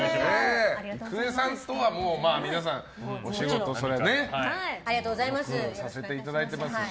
郁恵さんとは皆さんお仕事させていただいてますね。